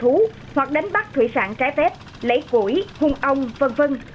thú hoặc đánh bắt thủy sản trái phép lấy củi hung ông v v